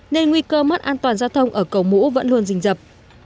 nguy cơ mất an toàn giao thông ở cầu mũ vẫn luôn dình dập